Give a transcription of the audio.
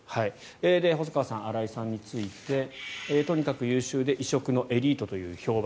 細川さん、荒井さんについてとにかく優秀で異色のエリートという評判。